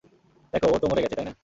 দেখো, ও তো মরে গেছে, তাই না?